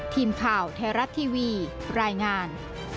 ทีมข่าวไทยรัฐทีวีรายงาน